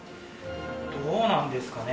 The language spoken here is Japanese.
どうなんですかね？